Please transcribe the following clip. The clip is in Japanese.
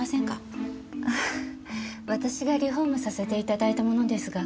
私がリフォームさせて頂いたものですが。